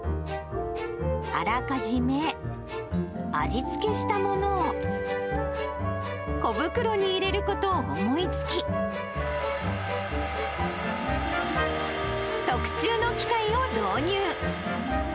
あらかじめ味付けしたものを、小袋に入れることを思いつき、特注の機械を導入。